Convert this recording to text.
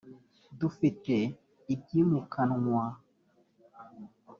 dufite ibyimukanwaa.